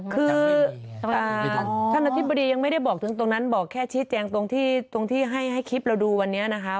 คือท่านอธิบดียังไม่ได้บอกถึงตรงนั้นบอกแค่ชี้แจงตรงที่ให้คลิปเราดูวันนี้นะคะ